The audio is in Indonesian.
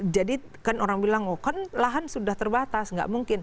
jadi kan orang bilang oh kan lahan sudah terbatas nggak mungkin